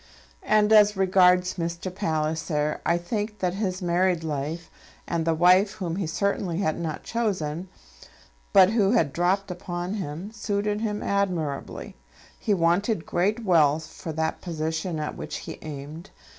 And as regards Mr. Palliser, I think that his married life, and the wife, whom he certainly had not chosen, but who had dropped upon him, suited him admirably. He wanted great wealth for that position at which he aimed.